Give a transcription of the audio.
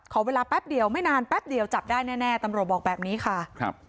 ขอเวลาแป๊บเดียวไม่นานแป๊บเดียวจับได้แน่ตำรวจบอกแบบนี้ค่ะครับ